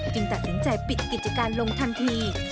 ตัดสินใจปิดกิจการลงทันที